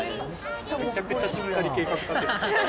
めちゃくちゃしっかり計画立ててましたよ。